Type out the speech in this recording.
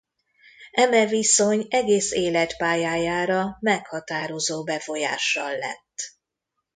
Eme viszony egész életpályájára meghatározó befolyással lett.